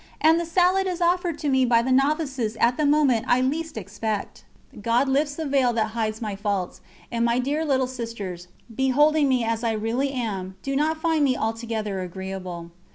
And the salad is offered to me by the novices at the moment I least expect. God lifts the veil that hides my faults, and my dear little Sisters, beholding me as I really am, do not find me altogether agreeable.